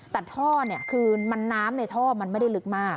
แต่ท่อเนี่ยคือน้ำในท่อมันไม่ได้ลึกมาก